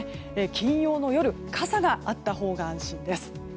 金曜の夜傘があったほうが安心です。